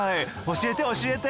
教えて教えて。